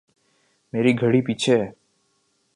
میری گھڑی پیچھے ہے